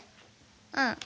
うん。